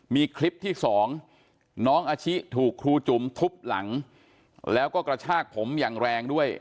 มีคลิปที่สองน้องอาชิถูกครูจุ๋มทุบหลังแล้วก็กระชากผมอย่างแรงด้วย